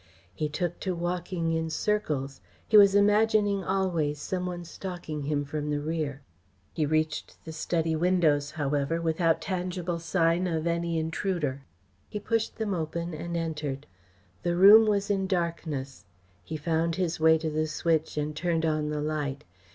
He took to walking in circles. He was imagining always some one stalking him from the rear. He reached the study windows, however, without tangible sign of any intruder. He pushed them open and entered. The room was in darkness. He found his way to the switch and turned on the light.